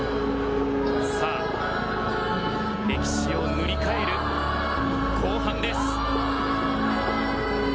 さあ、歴史を塗り替える後半です。